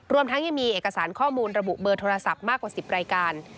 ทั้งยังมีเอกสารข้อมูลระบุเบอร์โทรศัพท์มากกว่า๑๐รายการ